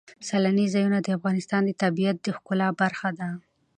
سیلاني ځایونه د افغانستان د طبیعت د ښکلا برخه ده.